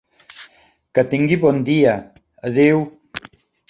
Que tingui bon dia, adeu.